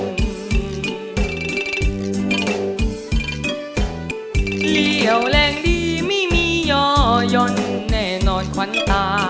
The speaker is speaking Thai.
เหลี่ยวแรงดีไม่มีย่อยยนแน่นอนขวานตา